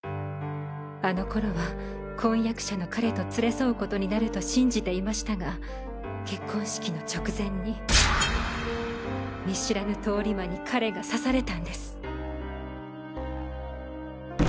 あの頃は婚約者の彼と連れ添うことになると信じていましたが結婚式の直前に見知らぬ通り魔に彼が刺されたんです。